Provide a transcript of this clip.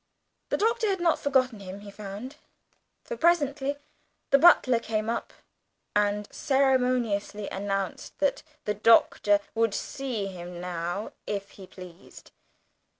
The Doctor had not forgotten him, he found, for presently the butler came up and ceremoniously announced that the Doctor "would see him now, if he pleased."